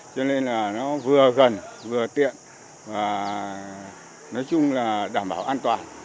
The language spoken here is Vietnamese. cho nên là nó vừa gần vừa tiện và nói chung là đảm bảo an toàn